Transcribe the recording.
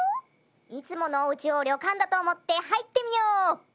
いつものおうちをりょかんだとおもってはいってみよう！